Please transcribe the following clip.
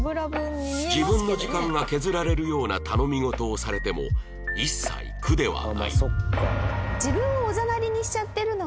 自分の時間が削られるような頼み事をされても一切苦ではない